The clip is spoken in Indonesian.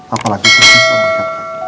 apalagi untuk si sama sama